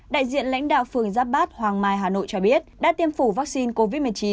đại diện lãnh đạo phường giáp bát hoàng mai hà nội cho biết đã tiêm phổi vaccine covid một mươi chín